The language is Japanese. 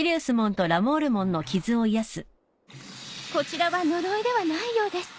こちらは呪いではないようです。